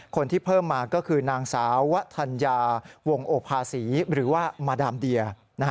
เพิ่มมาก็คือนางสาววะธัญญาวงโอภาษีหรือว่ามาดามเดีย